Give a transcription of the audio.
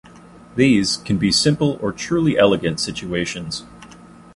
These can be simple or truly elegant situations.